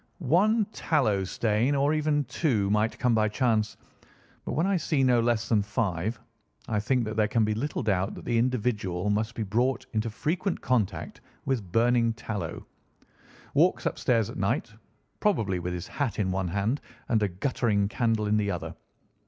"One tallow stain, or even two, might come by chance; but when I see no less than five, I think that there can be little doubt that the individual must be brought into frequent contact with burning tallow—walks upstairs at night probably with his hat in one hand and a guttering candle in the other.